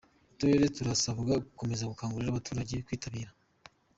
Uturere turasabwa gukomeza gukangurira abaturage kwitabira